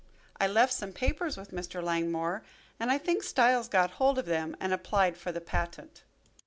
I left some papers with Mr. Langmore and I think Styles got hold of them and applied for the patent.